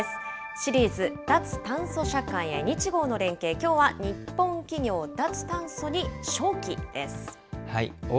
シリーズ、脱炭素社会へ日豪の連携、きょうは日本の企業、脱炭素に商機です。